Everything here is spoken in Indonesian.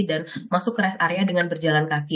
dan masuk ke res area dengan berjalan kaki